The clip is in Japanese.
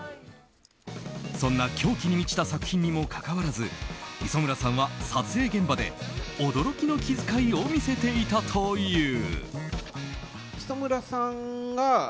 そんな狂気に満ちた作品にもかかわらず磯村さんは撮影現場で驚きの気遣いをしていたという。